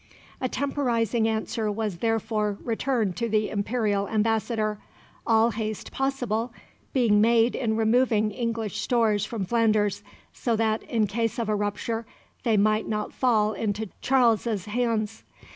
A temporising answer was therefore returned to the imperial ambassador, "all haste possible" being made in removing English stores from Flanders, so that, in case of a rupture, they might not fall into Charles's hands.